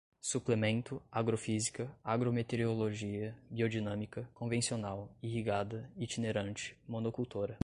suplemento, agrofísica, agrometeorologia, biodinâmica, convencional, irrigada, itinerante, monocultora